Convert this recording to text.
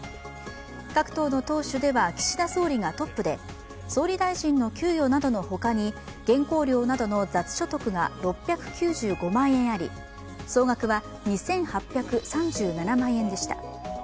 各党の党首では岸田総理がトップで総理大臣の給与などのほかに原稿料などの雑所得が６９５万円あり、総額は２８３７万円でした。